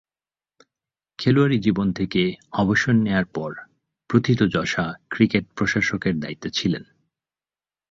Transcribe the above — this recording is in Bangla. খেলোয়াড়ী জীবন থেকে অবসর নেয়ার পর প্রথিতযশা ক্রিকেট প্রশাসকের দায়িত্বে ছিলেন।